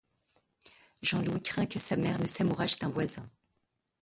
Jean-Louis craint que sa mère ne s'amourache d'un voisin.